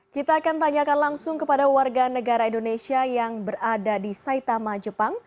kita akan tanyakan langsung kepada warga negara indonesia yang berada di saitama jepang